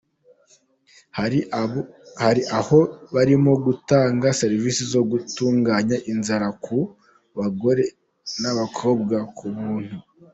Hari aho barimo gutanga serivisi zo gutunganya inzara ku bagore n’abakobwa ku buntu.